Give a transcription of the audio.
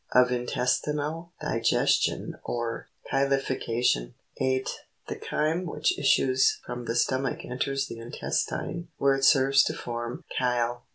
OF INTESTINAL DIGESTION, OR CHYL1FICATION. 8. The chyme which issues from the stomach enters the intes tine where it serves to form chyle.